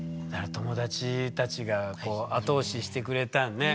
友達たちがこう後押ししてくれたんだね。